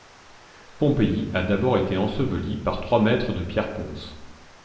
Pompéi a été d'abord ensevelie par trois mètres de pierres ponces.